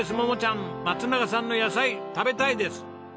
桃ちゃん松永さんの野菜食べたいです。